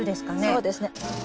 そうですね。